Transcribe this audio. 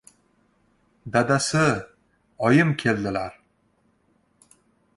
— Dadasi! Oyim keldilar!